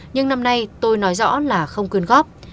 nhưng năm nay tôi nói rõ là không quyên góp